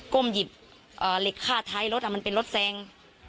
้มหยิบเหล็กฆ่าท้ายรถมันเป็นรถแซง